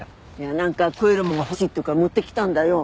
なんか食えるものが欲しいって言うから持ってきたんだよ。